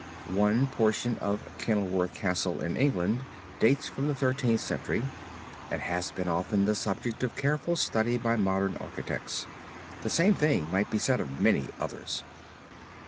One portion of Kenilworth Castle in England dates from the Thirteenth Century and has been often the subject of careful study by modern architects. The same thing might be said of many others.